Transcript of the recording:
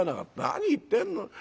「何言ってんの。